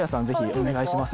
お願いします